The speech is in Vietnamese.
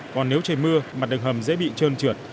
còn nếu trời mưa mặt đường hầm dễ bị trơn trượt